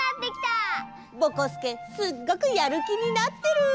ぼこすけすっごくやるきになってる！